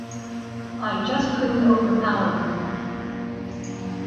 I just couldn’t overpower people.